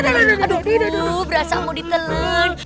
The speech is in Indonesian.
aduh berasa mau ditelen